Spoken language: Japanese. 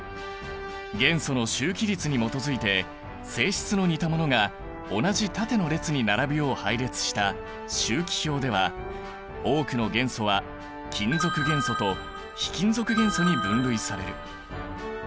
元素の周期律に基づいて性質の似たものが同じ縦の列に並ぶよう配列した周期表では多くの元素は金属元素と非金属元素に分類される。